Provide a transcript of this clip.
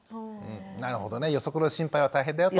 なるほどね予測の心配は大変だよと。